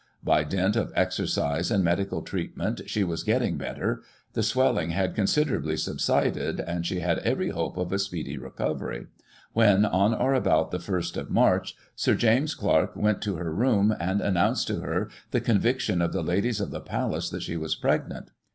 By dint of exercise and medical treatment, she was getting better ; the swelling had considerably subsided, and she had every hope of a speedy recovery; when, on or about the 1st of March, Sir James Clark went to her room, and an noimced to her the conviction of the ladies of the Palace that she was pregnant.